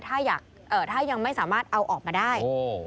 ถ้ายังไม่สามารถเอาออกมาได้